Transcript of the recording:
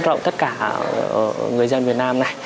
rộng tất cả người dân việt nam này